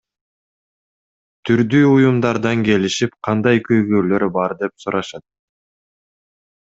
Түрдүү уюмдардан келишип, кандай көйгөйлөр бар деп сурашат.